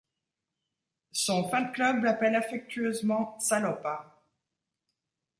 Son fan club l'appelle affectueusement Salopa.